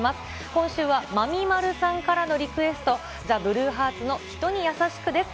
今週はまみまるさんからのリクエスト、ザ・ブルーハーツの人にやさしくです。